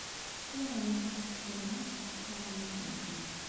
Ur ɛlimeɣ s kra ɣef uɣawas-nsen.